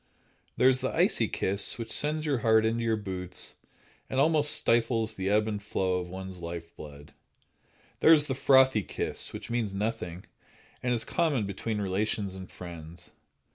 There is the icy kiss, which sends your heart into your boots and almost stifles the ebb and flow of one's life blood. There is the frothy kiss, which means nothing, and is common between relations and friends.